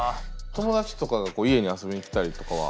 友達とかが家に遊びに来たりとかは？